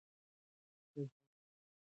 که زه نن هڅه ونه کړم، بله ورځ به پیل کړم.